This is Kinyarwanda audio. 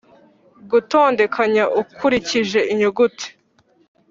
gutondekanya ukurikije inyuguti